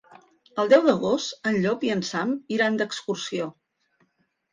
El deu d'agost en Llop i en Sam iran d'excursió.